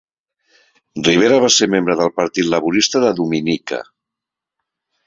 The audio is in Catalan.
Riviere va ser membre del Partit Laborista de Dominica.